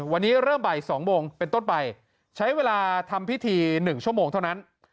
วันนี้เริ่มบ่าย๒โมงเป็นต้นไปใช้เวลาทำพิธี๑ชั่วโมงเท่านั้น